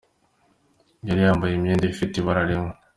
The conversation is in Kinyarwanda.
Yari yambaye imyenda ifite ibara rimwe.